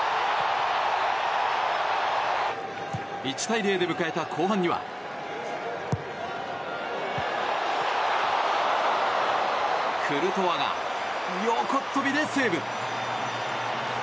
１対０で迎えた後半にはクルトワが横っ飛びでセーブ！